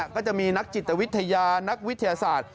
ก็จะมีนักจิตวิทยานักวิทยาศาสตร์